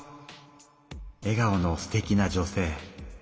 えがおのすてきな女性。